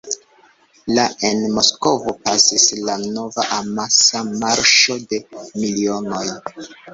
La en Moskvo pasis la nova amasa "Marŝo de milionoj".